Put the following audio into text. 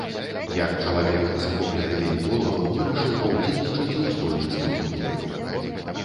Як чалавек, захоплены пейнтболам, вырашыў паўдзельнічаць і ў слонімскім турніры.